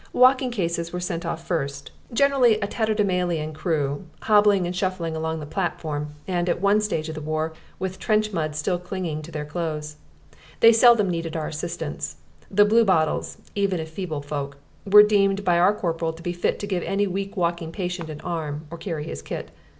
Walking cases were sent off first generally a tatterdemalion crew, hobbling and shuffling along the platform, and, at one stage of the war, with trench mud still clinging to their clothes. They seldom needed our assistance: the Bluebottles (even if feeble folk) were deemed by our corporal to be fit to give any weak walking patient an arm, or carry his kit.